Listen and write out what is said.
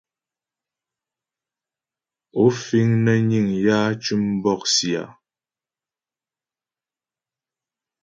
Ó fíŋ nə́ níŋ yǎ tʉ́m bɔ̂'sì a ?